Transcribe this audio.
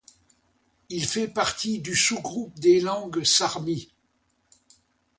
Il fait partie du sous-groupe des langues sarmi.